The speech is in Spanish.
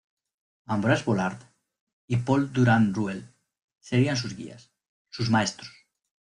Ambroise Vollard y Paul Durand-Ruel serían sus guías, sus maestros.